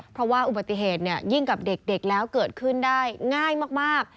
เพราะว่าอุบัติเหตุยิ่งกับเด็กแล้วเกิดขึ้นได้ง่ายมาก